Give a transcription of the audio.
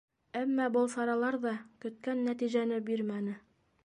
Әммә был саралар ҙа көткән нәтижәне бирмәне.